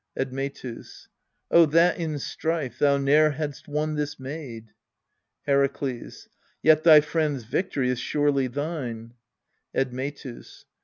Admetus. Oh, that in strife thou ne'er hadst won this maid ! Herakles. Yet thy friend's victory is surely thine. Admetus.